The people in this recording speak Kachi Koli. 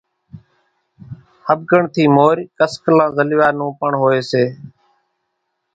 ۿٻڪڻ ٿِي مورِ ڪسڪلان زلوِيا نون پڻ هوئيَ سي۔